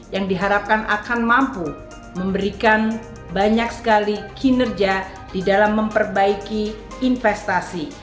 yang diharapkan akan mampu memberikan banyak sekali kinerja di dalam memperbaiki investasi